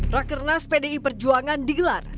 raker nas pdi perjuangan digelar